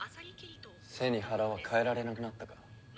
背に腹は代えられなくなったか。